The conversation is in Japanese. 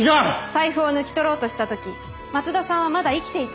財布を抜き取ろうとした時松田さんはまだ生きていた。